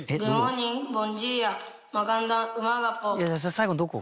最後どこ？